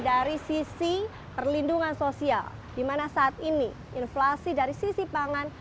dari sisi perlindungan sosial di mana saat ini inflasi dari sisi pangan